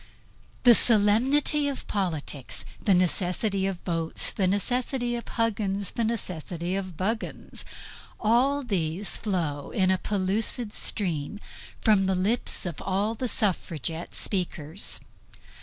The solemnity of politics; the necessity of votes; the necessity of Huggins; the necessity of Buggins; all these flow in a pellucid stream from the lips of all the suffragette speakers.